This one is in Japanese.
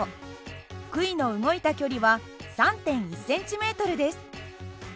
杭の動いた距離は３．１ｃｍです。